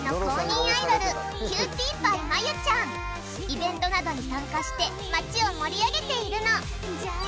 イベントなどに参加して街を盛り上げているの。